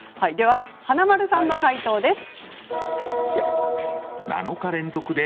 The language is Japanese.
華丸さんの回答です。